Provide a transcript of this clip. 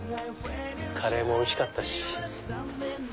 カレーもおいしかったし。